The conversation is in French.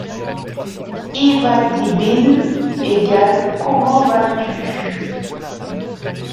Î va t-î bin = Comment vas-tu?